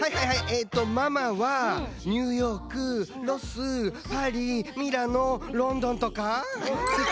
えとママはニューヨークロスパリミラノロンドンとか！